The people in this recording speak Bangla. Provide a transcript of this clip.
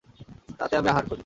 তাতে আমি আহার করি।